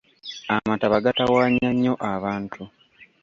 Amataba gatawaanya nnyo abantu.